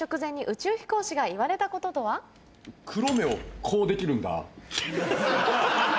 黒目をこうできるんだ。